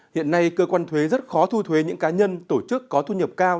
hiện nay cơ quan thuế rất khó thu thuế những cá nhân tổ chức có thu nhập cao